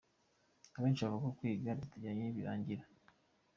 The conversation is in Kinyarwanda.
Abenshi bavuga ko kwiga bitajya birangira.